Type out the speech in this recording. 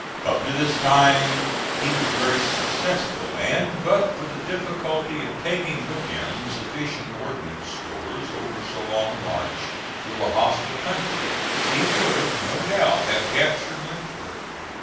Up to this time he was very successful; and but for the difficulty of taking with him sufficient ordnance stores over so long a march, through a hostile country, he would, no doubt, have captured Lynchburg.